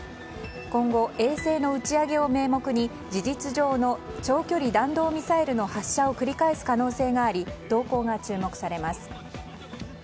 今後、衛星の打ち上げを名目に事実上の長距離弾道ミサイルの発射を繰り返す可能性があり動向が注目されます。